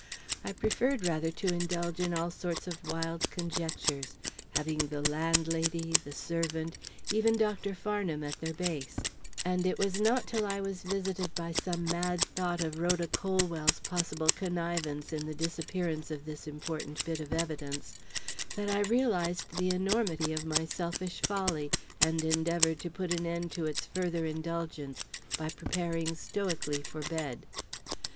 I preferred rather to indulge in all sorts of wild conjectures, having the landlady, the servant, even Dr. Farnham, at their base; and it was not till I was visited by some mad thought of Rhoda Colwell's possible connivance in the disappearance of this important bit of evidence, that I realized the enormity of my selfish folly, and endeavored to put an end to its further indulgence by preparing stoically for bed.